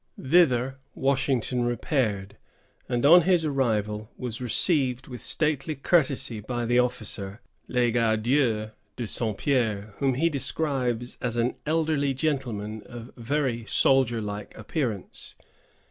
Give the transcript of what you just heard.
Thither Washington repaired, and on his arrival was received with stately courtesy by the officer, Legardeur de St. Pierre, whom he describes as an elderly gentleman of very soldier like appearance.